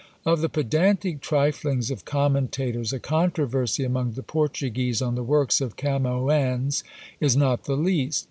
Of the pedantic triflings of commentators, a controversy among the Portuguese on the works of Camoens is not the least.